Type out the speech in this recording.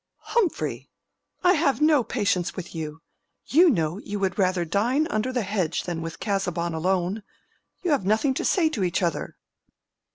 "Humphrey! I have no patience with you. You know you would rather dine under the hedge than with Casaubon alone. You have nothing to say to each other."